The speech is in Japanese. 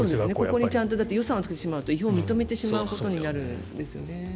ここに予算をつけてしまうと違法を認めてしまうことになるんですよね。